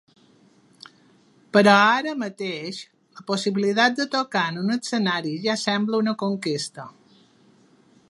Però ara mateix, la possibilitat de tocar en un escenari ja sembla una conquesta.